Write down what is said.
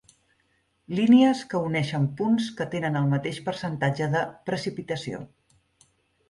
Línies que uneixen punts que tenen el mateix percentatge de precipitació.